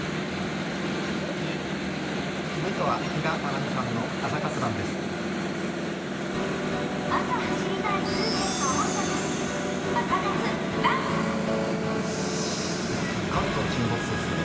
続いては比嘉さんの「朝活ＲＵＮ」です。